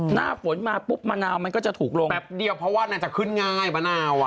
หน้าฝนมาปุ๊บมะนาวมันก็จะถูกลงแป๊บเดียวเพราะว่าน่าจะขึ้นง่ายมะนาวอ่ะ